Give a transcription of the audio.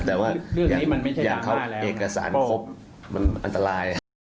แต่ว่าอย่างเขาเอกสารครบมันอันตราย